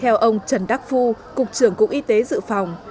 theo ông trần đắc phu cục trưởng cục y tế dự phòng